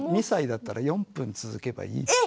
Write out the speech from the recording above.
２歳だったら４分続けばいい。